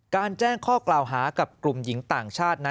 แจ้งข้อกล่าวหากับกลุ่มหญิงต่างชาตินั้น